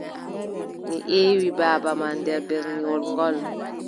Mi eewi baaba ma nder berniwol ngool.